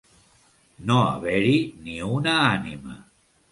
No haver-hi ni una ànima.